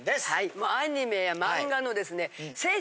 もうアニメや漫画のですね。